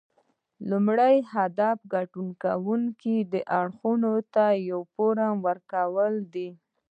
لومړی هدف ګډون کوونکو اړخونو ته یو فورم ورکول دي